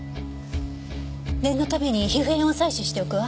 念のために皮膚片を採取しておくわ。